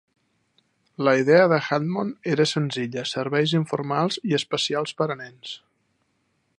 La idea de Hammond era senzilla: serveis informals i especials per a nens.